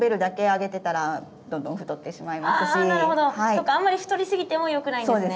そっかあんまり太りすぎてもよくないんですね。